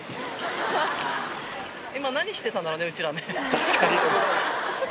確かに。